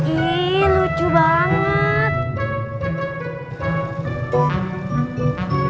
ih lucu banget